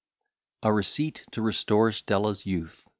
A RECEIPT TO RESTORE STELLA'S YOUTH.